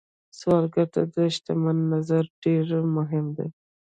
سوالګر ته د شتمن نظر ډېر مهم دی